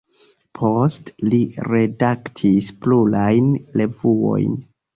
Poste li redaktis plurajn revuojn.